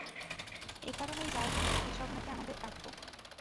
একারণে যাই ঘটে এসব নাকি আমাদের প্রাপ্য।